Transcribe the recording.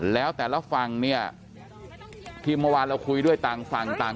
แล้วแต่ละฝั่งเนี่ยที่เมื่อวานเราคุยด้วยต่างฝั่งต่าง